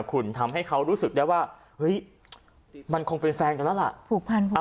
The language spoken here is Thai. คุณทำให้เขารู้สึกได้ว่ามันคงเป็นแฟนกันแล้วล่ะ